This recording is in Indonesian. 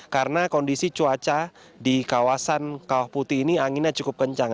karena kondisi cuaca di kawasan kawah putih ini anginnya cukup kencang